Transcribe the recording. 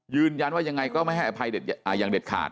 ยืนยาระว่ายังงี้ก็ไม่ให้อภัยเด็ดอย่างเด็ดขาด